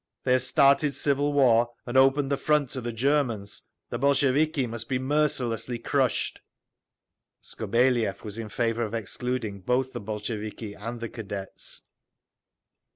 "They have started civil war and opened the front to the Germans. The Bolsheviki must be mercilessly crushed…." Skobeliev was in favor of excluding both the Bolsheviki and the Cadets.